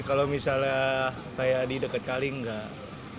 kalau misalnya kayak di dekat caling nggak